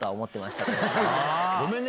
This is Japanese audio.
ごめんね。